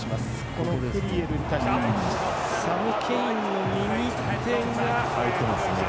このクリエルに対してサム・ケインの右手が。